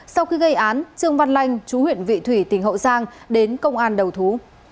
sau khi gây án trương văn lanh chú huyện vị thủy tỉnh hậu giang đến công an đầu thú